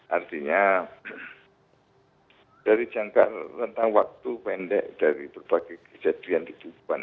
artinya dari jangka rentang waktu pendek dari berbagai kejadian di tubuh